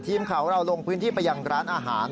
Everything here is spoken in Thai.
ทีมข่าวเราลงพื้นที่ไปยังร้านอาหาร